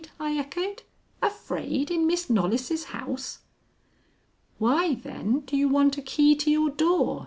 I echoed. "Afraid in Miss Knollys' house?" "Why, then, do you want a key to your door?"